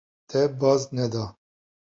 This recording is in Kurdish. Te baz neda.